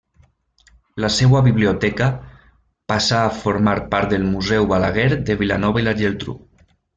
La seua biblioteca passà a formar part del Museu Balaguer de Vilanova i la Geltrú.